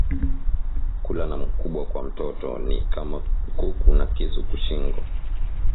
Kula na mukubwa kwa mtoto ni kama nkuku na kisu ku shingo